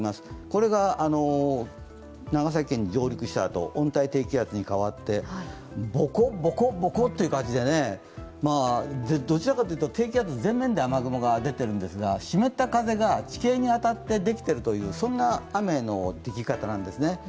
これが長崎県に上陸したあと温帯低気圧に変わってボコ、ボコ、ボコという感じでどちらかというと低気圧前面で雨雲が出てるんですが、湿った風が地形に当たってできているという雨のでき方なんですね。